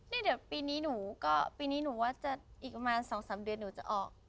นี่เดี๋ยวปีนี้หนูก็ปีนี้หนูว่าจะอีกประมาณ๒๓เดือนหนูจะออก